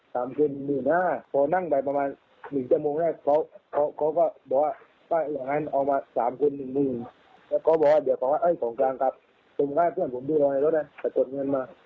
ส่วนแป้งแผ่นผมดูรอยรถนะจดเงินมา